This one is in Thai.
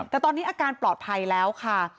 แต่ตอนนี้อาการปลอดภัยแล้วค่ะ